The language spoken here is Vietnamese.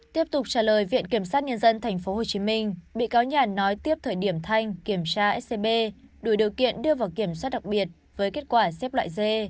tiếp tục trả lời viện kiểm sát nhân dân tp hcm bị cáo nhàn nói tiếp thời điểm thanh kiểm tra scb đủ điều kiện đưa vào kiểm soát đặc biệt với kết quả xếp loại d